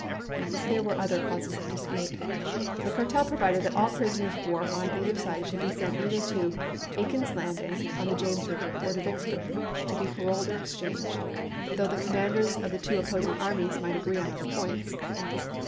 There were other causes of dispute. The car tel provided that all prisoners of war on either side should be sent either to Aiken's Landing on the James River or to Vicksburg, to be paroled or exchanged, though the commanders of two opposing armies might agree on other points.